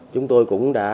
chúng tôi cũng đã